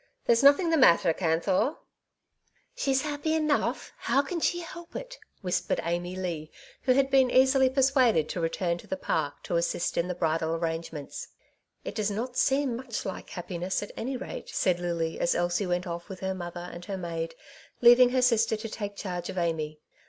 There's nothing the matter, Canthor !'''* She's happy enough ; how can she help it ?" whispered Amy Leigh, who had been easily per suaded to return to the Park to assist in the bridal arrangements. "It does not seem much like happiness, at any rate," said Lily, as Elsie went off with her mother and her maid, leaving her sister to take charge of Amy.